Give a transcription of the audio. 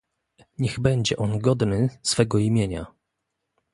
Niech będzie on godny swego imienia